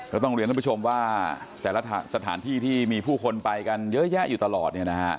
ก็ต้องเรียนท่านผู้ชมว่าแต่ละสถานที่ที่มีผู้คนไปกันเยอะแยะอยู่ตลอดเนี่ยนะฮะ